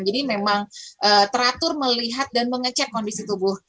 jadi memang teratur melihat dan mengecek kondisi tubuh